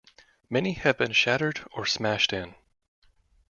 Many have been shattered or smashed in.